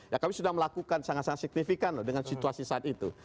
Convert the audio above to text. ya kami sudah melakukan sangat sangat signifikan loh dengan situasi saat itu